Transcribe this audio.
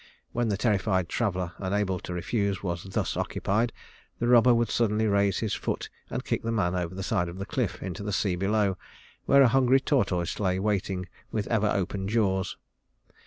When the terrified traveler, unable to refuse, was thus occupied, the robber would suddenly raise his foot and kick the man over the side of the cliff into the sea below, where a hungry tortoise lay waiting with ever open jaws.